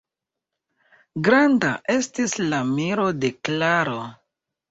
Granda estis la miro de Klaro.